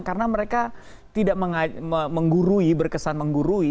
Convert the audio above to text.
karena mereka tidak menggurui berkesan menggurui